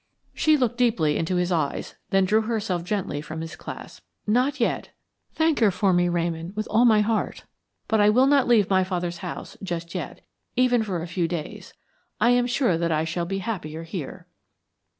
She looked deeply into his eyes, then drew herself gently from his clasp. "Not yet. Thank her for me, Ramon, with all my heart, but I will not leave my father's house just yet, even for a few days. I am sure that I shall be happier here."